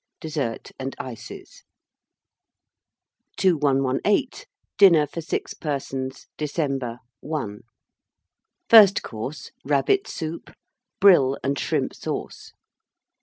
DESSERT AND ICES. 2118. DINNER FOR 6 PERSONS (December). I. FIRST COURSE. Rabbit Soup. Brill and Shrimp Sauce.